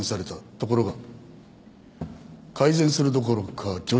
ところが改善するどころか助長させた。